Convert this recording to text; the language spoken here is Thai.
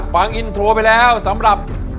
ฟังอินโทรไปแล้วสำหรับ